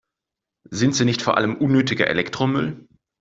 Sind sie nicht vor allem unnötiger Elektromüll?